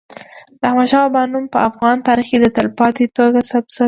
د احمد شاه بابا نوم په افغان تاریخ کي په تلپاتې توګه ثبت سوی.